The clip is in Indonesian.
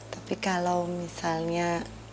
tapi kalau misalnya